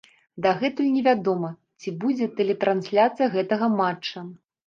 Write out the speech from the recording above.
Дагэтуль невядома, ці будзе тэлетрансляцыя гэтага матча.